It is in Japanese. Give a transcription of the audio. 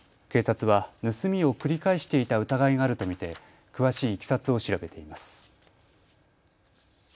警察は盗みを繰り返していた疑いがあると見て詳しいいきさつを調べています。